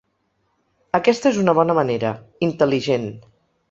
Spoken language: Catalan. Aquesta és una bona manera, intel·ligent.